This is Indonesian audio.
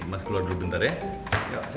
mas keluar dulu bentar ya